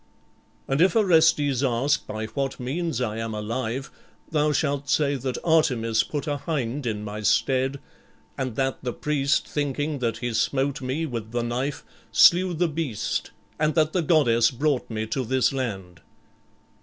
_' And if Orestes ask by what means I am alive, thou shalt say that Artemis put a hind in my stead, and that the priest, thinking that he smote me with the knife, slew the beast, and that the goddess brought me to this land."